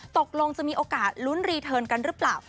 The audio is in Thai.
ตกลงจะมีโอกาสลุ้นรีเทิร์นกันหรือเปล่า